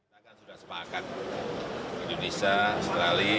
saya sudah sepakat indonesia australia